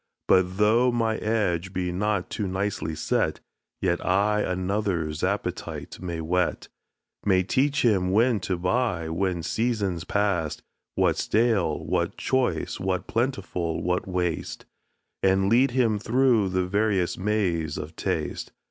But, though my edge be not too nicely set, Yet I another's appetite may whet; May teach him when to buy, when season's pass'd, What's stale, what choice, what plentiful, what waste, And lead him through the various maze of taste.